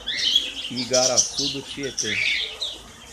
Igaraçu do Tietê